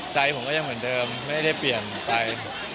ใจผมก็ยังเหมือนเดิมไม่ได้เปลี่ยนไป